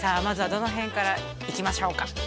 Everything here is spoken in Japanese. まずはどのへんからいきましょうか？